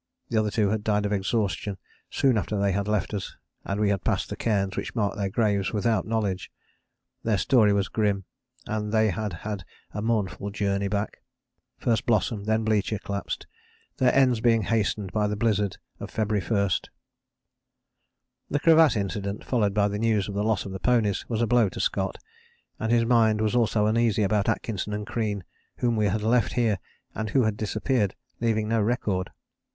The other two had died of exhaustion soon after they left us and we had passed the cairns which marked their graves without knowledge. Their story was grim, and they had had a mournful journey back. First Blossom, and then Blücher collapsed, their ends being hastened by the blizzard of February 1. This crevasse incident, followed by the news of the loss of the ponies, was a blow to Scott, and his mind was also uneasy about Atkinson and Crean, whom we had left here, and who had disappeared leaving no record.